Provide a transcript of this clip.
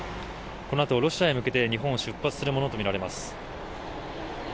このあとロシアへ向けて日本を出発するものとみられます。